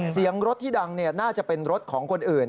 เสียงรถที่ดังน่าจะเป็นรถของคนอื่น